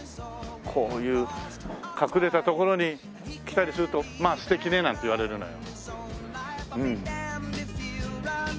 こういう隠れた所に来たりすると「まあ素敵ね」なんて言われるのよ。